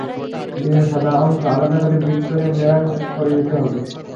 ডিমের সাদা অংশ আলাদা করে বিট করে মেরাং করে নিতে হবে।